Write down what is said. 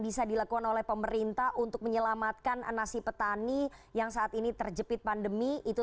bisa dilakukan oleh pemerintah untuk menyelamatkan nasi petani yang saat ini terjepit pandemi itu